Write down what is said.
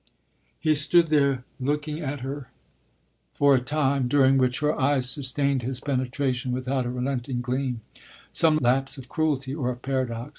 He stood there looking at her for a time during which her eyes sustained his penetration without a relenting gleam, some lapse of cruelty or of paradox.